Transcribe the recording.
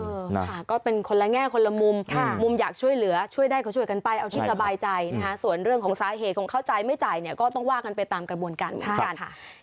นะคะก็เป็นคนละแง่คนละมุมมุมอยากช่วยเหลือช่วยได้ก็ช่วยกันไปเอาที่สบายใจนะคะส่วนเรื่องของสาเหตุของเข้าใจไม่จ่ายเนี่ยก็ต้องว่ากันไปตามกระบวนการเหมือนกัน